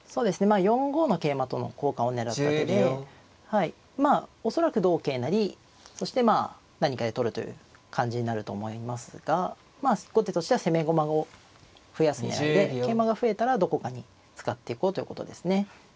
まあ４五の桂馬との交換を狙った手で恐らく同桂成そしてまあ何かで取るという感じになると思いますが後手としては攻め駒を増やす狙いで桂馬が増えたらどこかに使っていこうということですね。